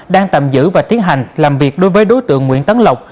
đang tạm giữ và tiến hành làm việc đối với đối tượng nguyễn tấn lộc